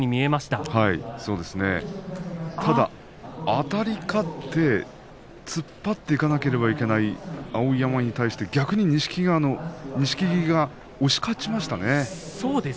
ただ、あたり勝って突っ張っていかなくてはいけない碧山に対して逆に錦木が押し勝ちましたね。